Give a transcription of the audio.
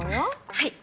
はい。